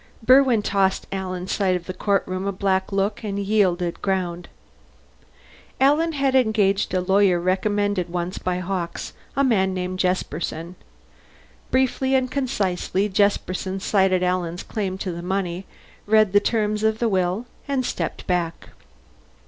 Berwin tossed Alan's side of the courtroom a black look and yielded ground. Alan had engaged a lawyer recommended once by Hawkes, a man named Jesperson. Briefly and concisely Jesperson cited Alan's claim to the money, read the terms of the will, and stepped back.